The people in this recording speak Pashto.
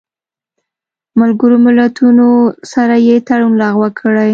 ملګرو ملتونو سره یې تړون لغوه کړی